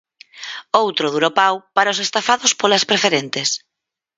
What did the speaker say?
Outro duro pau para os estafados polas preferentes.